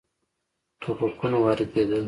ټوپکونه واردېدل.